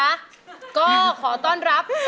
อายุ๒๔ปีวันนี้บุ๋มนะคะ